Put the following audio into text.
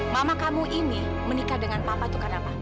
mama kamu ini menikah dengan papa itu karena apa